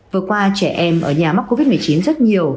vừa qua trẻ em ở nhà mắc covid một mươi chín rất nhiều